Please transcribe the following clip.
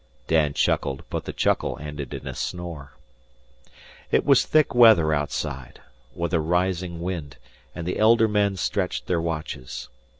Dan chuckled, but the chuckle ended in a snore. It was thick weather outside, with a rising wind, and the elder men stretched their watches.